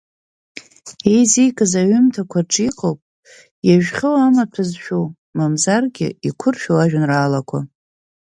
Еизикыз аҩымҭақәа рҿы иҟоуп иажәхьоу амаҭәа зшәу, мамзаргьы иқәыршәу ажәеинраалақәа.